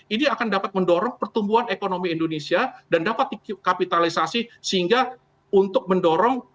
ini akan dapat mendorong pertumbuhan ekonomi indonesia dan dapat dikapitalisasi sehingga untuk mendorong